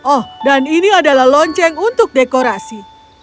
oh dan ini adalah lonceng untuk dekorasi